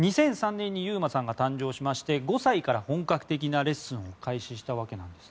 ２００３年に優真さんが誕生しまして５歳から本格的なレッスンを開始しました。